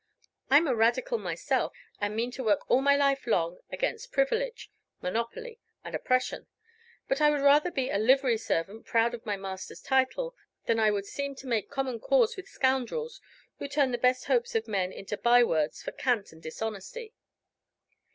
I'm a Radical myself, and mean to work all my life long against privilege, monopoly, and oppression. But I would rather be a livery servant proud of my master's title, than I would seem to make common cause with scoundrels who turn the best hopes of men into by words for cant and dishonesty."